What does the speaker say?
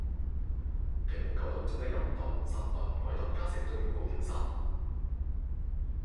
奇門九遁中的人遁、神遁、鬼遁格式都用到了神